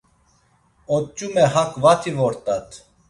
Oç̌ume hak vati vort̆at.